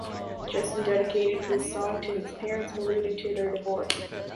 Justin dedicated this song to his parents, alluding to their divorce.